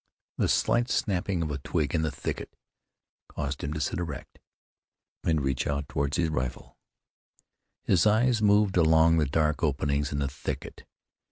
The slight snapping of a twig in the thicket caused him to sit erect, and reach out toward his rifle. His eyes moved among the dark openings in the thicket.